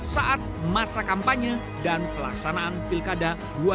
saat masa kampanye dan pelaksanaan pilkada dua ribu dua puluh